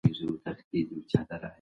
آیا د ایران واکمن به خپله ماتې ومني؟